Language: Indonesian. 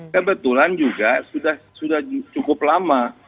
kebetulan juga sudah cukup lama